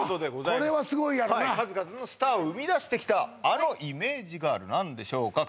これはすごいやろな数々のスターを生み出してきた「あのイメージガール」何でしょうか？